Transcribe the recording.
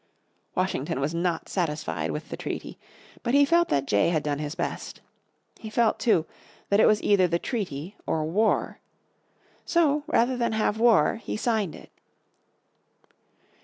Washington was not satisfied with the treaty, but he felt that Jay had done his best. He felt, too, that it was either the treaty or war. So rather than have war he signed it.